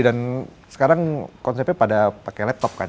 sekarang konsepnya pada pakai laptop kan